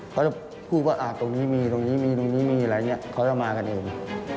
เขาจะพูดว่าตรงนี้มีตรงนี้มีตรงนี้มีอะไรอย่างนี้เขาจะมากันเอง